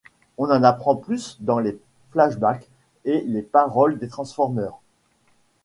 On en apprend plus dans les flashbacks et les paroles des Transformers.